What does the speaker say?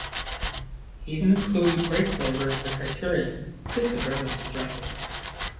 He even included grape flavour as a criterion, but this is rather subjective.